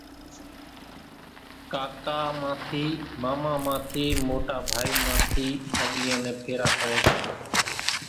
ڪاڪا مان ٿي ماما مان ٿي موٽا ڀائي مان ٿي ڍڳليان نين ڦيرا ڦري سي۔